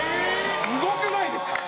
すごくないですか？